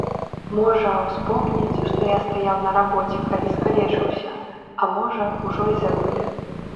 Можа, успомняць, што я стаяў на рабоце, калі скалечыўся, а можа, ужо і забылі.